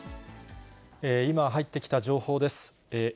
今入ってきた情報です。